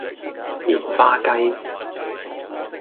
棉花雞